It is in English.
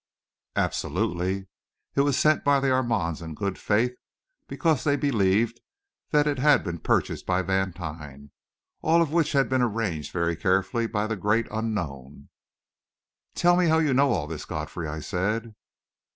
"Absolutely. It was sent by the Armands in good faith, because they believed that it had been purchased by Vantine all of which had been arranged very carefully by the Great Unknown." "Tell me how you know all this, Godfrey," I said.